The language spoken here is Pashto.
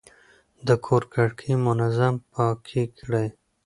د کور کړکۍ منظم پاکې کړئ.